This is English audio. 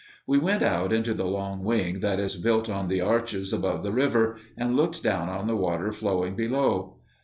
We went out into the long wing that is built on the arches above the river, and looked down on the water flowing below.